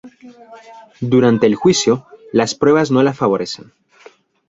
Durante el juicio, las pruebas no la favorecen.